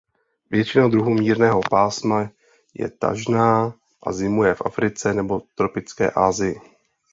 Většina druhů mírného pásma je tažná a zimuje v Africe nebo tropické Asii.